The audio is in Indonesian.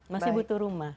masih butuh rumah